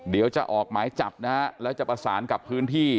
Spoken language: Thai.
เดี๋ยวจะออกหมายจับนะฮะแล้วจะประสานกับพื้นที่